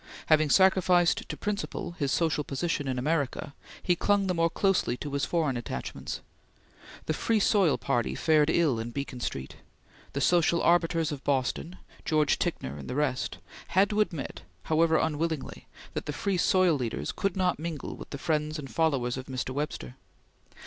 Having sacrificed to principle his social position in America, he clung the more closely to his foreign attachments. The Free Soil Party fared ill in Beacon Street. The social arbiters of Boston George Ticknor and the rest had to admit, however unwillingly, that the Free Soil leaders could not mingle with the friends and followers of Mr. Webster.